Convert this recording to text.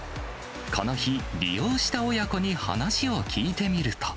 この日、利用した親子に話を聞いてみると。